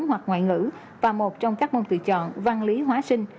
hoặc ngoại ngữ và một trong các môn tự chọn văn lý hóa sinh